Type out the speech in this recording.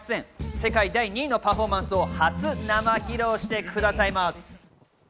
世界第２位のパフォーマンスを初生披露してくださいます。